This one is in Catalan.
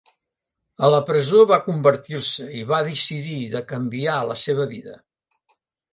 A la presó va convertir-se i va decidir de canviar la seva vida.